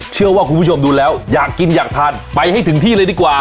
เชื่อว่าคุณผู้ชมดูแล้วอยากกินอยากทานไปให้ถึงที่เลยดีกว่า